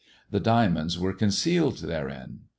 The diamonds were concealed therein.